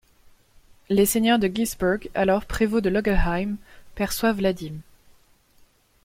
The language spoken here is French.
Les seigneurs de Girsberg, alors prévôts de Logelheim, perçoivent la dîme.